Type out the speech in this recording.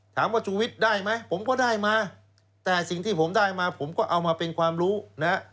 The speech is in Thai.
ชูวิทย์ได้ไหมผมก็ได้มาแต่สิ่งที่ผมได้มาผมก็เอามาเป็นความรู้นะฮะ